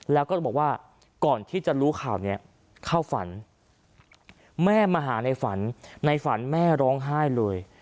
แล้วก็บอกว่าก่อนที่จะรู้ข่าวนี้เข้าฝันแม่มาหาในฝันในฝันแม่ร้องไห้เลย